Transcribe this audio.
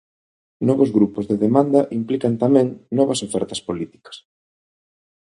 Novos grupos de demanda implican tamén novas ofertas políticas.